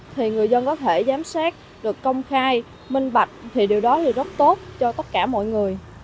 thì người dân có thể giám sát được công khai minh bạch thì điều đó thì rất tốt cho tất cả mọi người